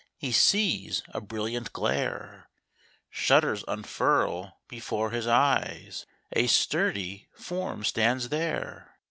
He sees a brilliant glare, Shutters unfurl before his eyes— A sturdy form stands there